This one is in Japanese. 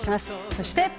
そして。